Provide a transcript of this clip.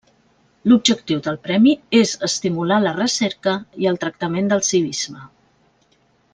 L'objectiu del premi és estimular la recerca i el tractament del civisme.